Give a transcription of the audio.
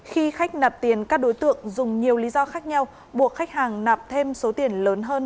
khi khách nạp tiền các đối tượng dùng nhiều lý do khác nhau buộc khách hàng nạp thêm số tiền lớn hơn